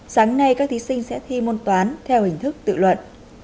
sáng nay các thí sinh sẽ thi môn toán theo hình thức tự luận